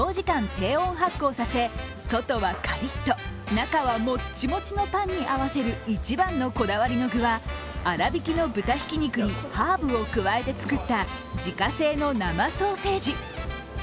中はもっちもちのパンに合わせる一番のこだわりの具はあらびきの豚ひき肉にハーブを加えて作った自家製の生ソーセージ。